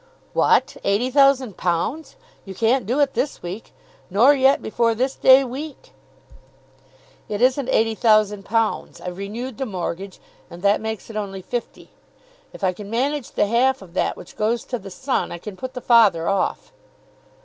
"What, eighty thousand pounds! You can't do it this week, nor yet before this day week." "It isn't eighty thousand pounds. I've renewed the mortgage, and that makes it only fifty. If I can manage the half of that which goes to the son, I can put the father off."